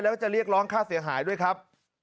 แล้วก็จะเรียกร้องค่าเสียหายด้วยครับ